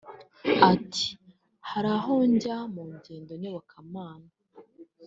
Ati”Hari aho njya mu ngendo nyobokamana